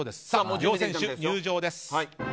両選手、入場です。